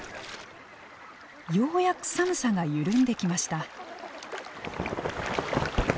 ようやく寒さが緩んできました。